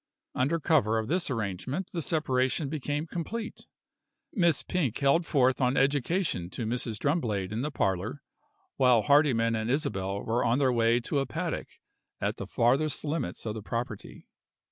Under cover of this arrangement the separation became complete. Miss Pink held forth on education to Mrs. Drumblade in the parlor; while Hardyman and Isabel were on their way to a paddock at the farthest limits of the property.